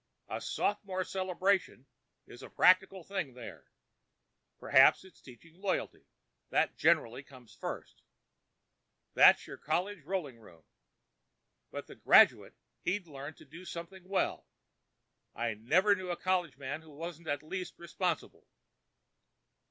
The sophomore celebration is a practical thing there; perhaps it's teaching loyalty—that generally comes first. That's your college rolling room. But the graduate—he's learned to do something well. I never knew a college man who wasn't at least responsible."